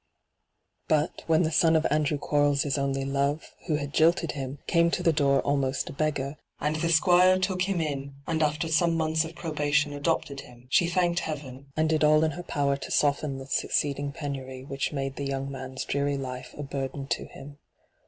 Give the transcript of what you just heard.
But when the son of Andrew Quarles' only love, who had jilted him, came to the door almost a beggar, and the Squire took him in. hyGoot^le ENTRAPPED 19 and after some months of probation adopted him, she thanked Heaven, and did all in her power to soften the succeeding penury which made the young man's dreary life a burden to him.